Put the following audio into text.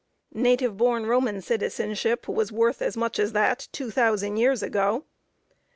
Native born Roman citizenship was worth as much as that two thousand years ago.